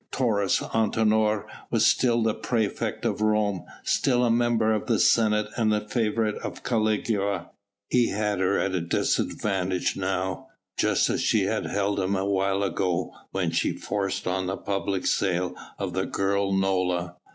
Taurus Antinor was still the praefect of Rome, still a member of the Senate and favourite of Caligula. He had her at a disadvantage now, just as she had held him a while ago when she forced on the public sale of the girl Nola.